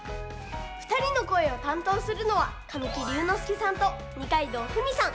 ふたりのこえをたんとうするのは神木隆之介さんと二階堂ふみさん。